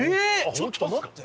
ちょっと待って！